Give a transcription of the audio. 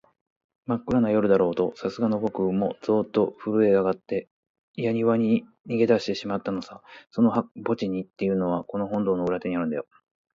まっくらな夜だろう、さすがのぼくもゾーッとふるえあがって、やにわに逃げだしてしまったのさ。その墓地っていうのは、この本堂の裏手にあるんだよ。